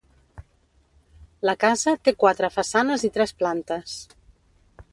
La casa té quatre façanes i tres plantes.